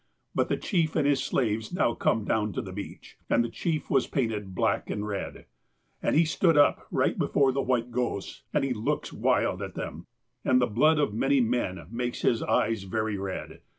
But the chief and his slaves now come down to the beach. And the chief was painted black and red. And he stood up right before the white ghosts, and he looks wild at them. And the blood of many men makes his eyes very red.